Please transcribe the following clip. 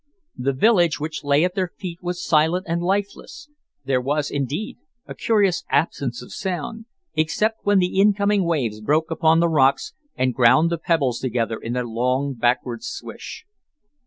The village which lay at their feet was silent and lifeless there was, indeed, a curious absence of sound, except when the incoming waves broke upon the rocks and ground the pebbles together in their long, backward swish.